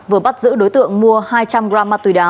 vừa bắt giữ đối tượng mua hai trăm linh gram ma túy đá